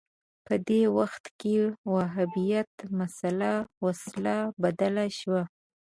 په دې وخت کې وهابیت مسأله وسله بدله شوه